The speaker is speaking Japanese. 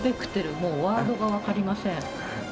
もうワードが分かりません。